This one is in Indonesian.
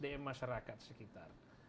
daya masyarakat sekitar